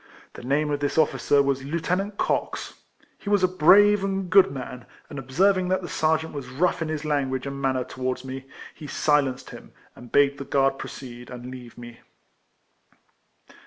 The name of this officer was Lieutenant Cox; he was a brave and good man, and observing that the sergeant was rough in his language and manner towards me, he silenced him, and bade the guard proceed, and leave me.